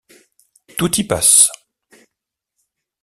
Tout y passe.